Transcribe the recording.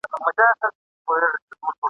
چي شېبې مي د رندانو ویښولې ..